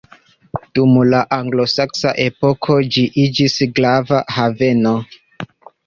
Dum la anglosaksa epoko ĝi iĝis grava haveno.